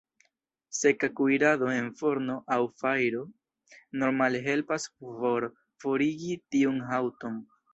Seka kuirado en forno aŭ fajro normale helpas por forigi tiun haŭton.